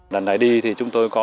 lần này đi thì chúng tôi có